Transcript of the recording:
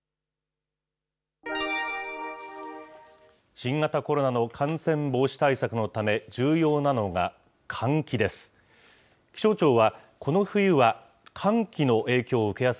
新型コロナの感染防止対策のため、重要なのが換気です。